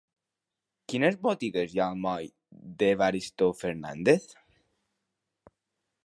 Quines botigues hi ha al moll d'Evaristo Fernández?